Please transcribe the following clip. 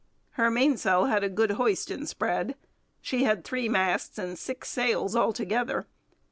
Her mainsail had a good hoist and spread. She had three masts and six sails altogether.